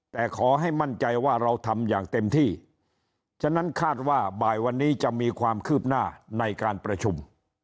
แต่ขอให้มั่นใจว่าเราทำอย่างเต็มที่ฉะนั้นคาดว่าบ่ายวันนี้จะมีความคืบหน้าในการประชุม